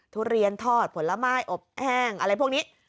ทุเรียนทอดผลไม้อบแห้งอะไรพวกนี้